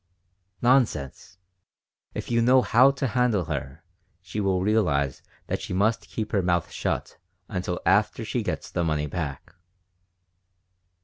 "Nonsense. If you know how to handle her, she will realize that she must keep her mouth shut until after she gets the money back."